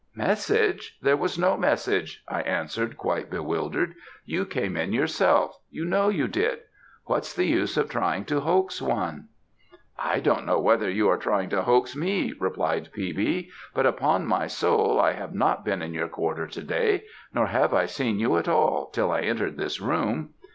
"'Message! there was no message,' I answered, quite bewildered. 'You came in yourself you know you did. What's the use of trying to hoax one?' "'I don't know whether you are trying to hoax me,' replied P. B.; 'but upon my soul I have not been in your quarter to day; nor have I seen you at all, till I entered this room.